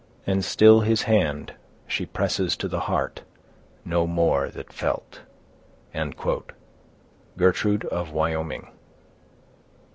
and still his hand She presses to the heart no more that felt. —Gertrude of Wyoming.